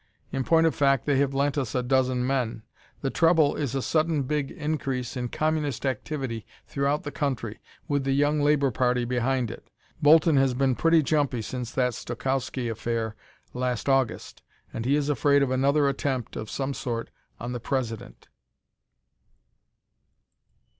In point of fact, they have lent us a dozen men. The trouble is a sudden big increase in Communist activity throughout the country, with the Young Labor party behind it. Bolton has been pretty jumpy since that Stokowski affair last August and he is afraid of another attempt of some sort on the President."